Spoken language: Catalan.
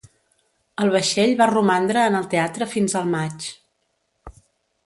El vaixell va romandre en el teatre fins el maig.